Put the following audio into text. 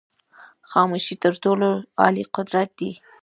خاموشی تر ټولو عالي قدرت دی.